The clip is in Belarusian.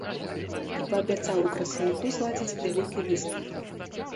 І паабяцаў у красавіку зладзіць вялікі выступ.